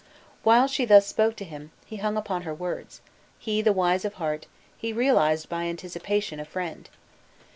While she thus spoke to him, he hung upon her words, he the wise of heart, he realized by anticipation a friend.